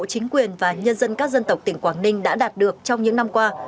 chính quyền và nhân dân các dân tộc tỉnh quảng ninh đã đạt được trong những năm qua